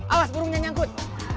awas burungnya nyangkut